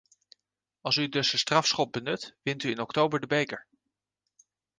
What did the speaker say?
Als u dus de strafschop benut, wint u in oktober de beker!